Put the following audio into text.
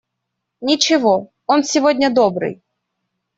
Ничего, он сегодня добрый.